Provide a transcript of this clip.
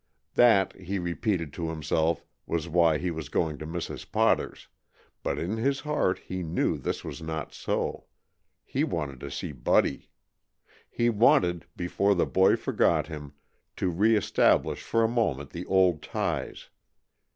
That, he repeated to himself, was why he was going to Mrs. Potter's, but in his heart he knew this was not so he wanted to see Buddy. He wanted, before the boy forgot him, to reestablish for a moment the old ties.